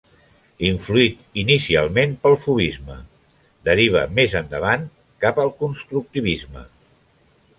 Influït inicialment pel fauvisme, deriva més endavant cap al constructivisme.